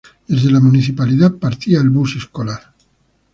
Desde la Municipalidad partía el bus escolar.